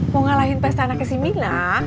mau ngalahin pesta anak kesini lah